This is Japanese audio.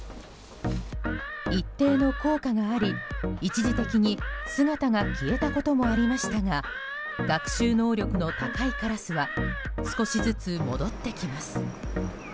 一定の効果があり、一時的に姿が消えたこともありましたが学習能力の高いカラスは少しずつ戻ってきます。